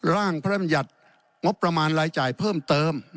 ร่างพระรำยัติงบประมาณรายจ่ายเพิ่มเติม